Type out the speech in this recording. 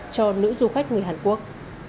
cho nữ du khách người hàn quốc